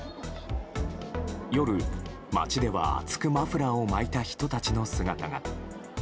夜、街では厚くマフラーを巻いた人たちの姿が。